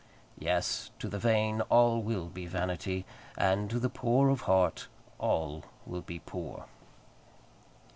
Yes; to the vain all will be vanity; and to the poor of heart all will be poor.